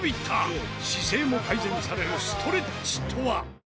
姿勢も改善されるストレッチとは？